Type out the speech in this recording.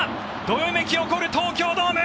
どよめき起こる東京ドーム！